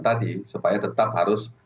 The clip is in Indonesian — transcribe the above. tadi supaya tetap harus